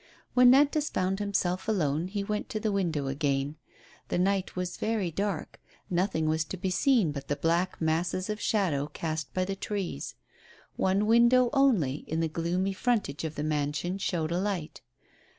When FTantas found himself alone, he went to the window again. The night was very dark; nothing was to be seen but the black masses of shadow cast by the trees ; one window only in the gloomy frontage of the mansion showed a light.